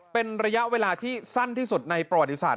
เป็นระยะเวลาที่สั้นที่สุดในประวัติศาสต